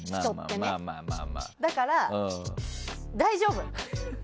だから大丈夫！